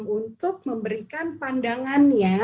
untuk memberikan pandangannya